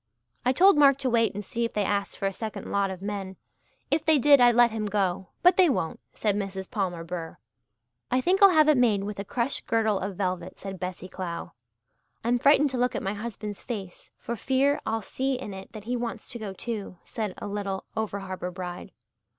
"I told Mark to wait and see if they asked for a second lot of men. If they did I'd let him go but they won't," said Mrs. Palmer Burr. "I think I'll have it made with a crush girdle of velvet," said Bessie Clow. "I'm frightened to look at my husband's face for fear I'll see in it that he wants to go too," said a little over harbour bride.